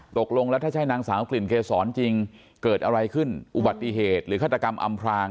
ตกลงแล้วถ้าใช่นางสาวกลิ่นเกษรจริงเกิดอะไรขึ้นอุบัติเหตุหรือฆาตกรรมอำพลาง